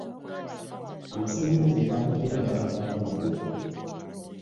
Amasannyalaze gaabadde gavaavaako eggulo.